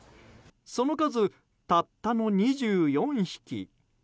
その数たったの２４匹。